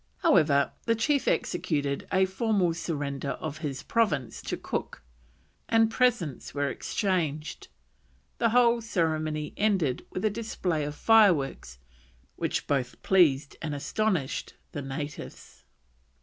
However, the chief executed a formal surrender of his province to Cook, and presents were exchanged, the whole ceremony ending with a display of fireworks which "both pleased and astonished" the natives.